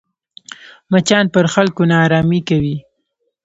مچان پر خلکو ناارامي کوي